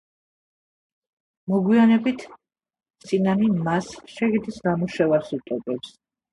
მოგვიანებით სინანი მას „შეგირდის ნამუშევარს“ უწოდებს.